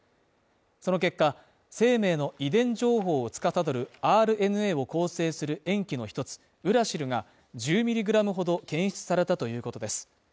その結果、生命の遺伝情報をつかさどるＲＮＡを構成する塩基の一つ、ウラシルが１０ｍｇほど検出されたということです